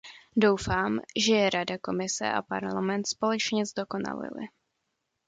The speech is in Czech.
Doufám, že je Rada, Komise a Parlament společně zdokonalily.